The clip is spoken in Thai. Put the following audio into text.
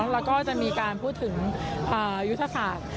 แล้วก็จะมีการพูดถึงยุทธศาสตร์